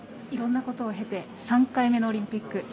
いろんなことを経て３回目のオリンピック。